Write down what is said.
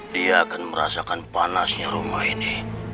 dia akan merasakan panasnya rumah ini